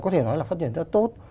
có thể nói là phát triển rất tốt